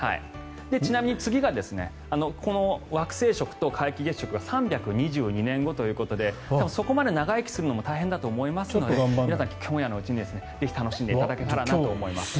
ちなみに次がこの惑星食と皆既月食が３２２年後ということでそこまで長生きするのも大変だと思いますので皆さん今夜のうちにぜひ楽しんでいただけたらなと思います。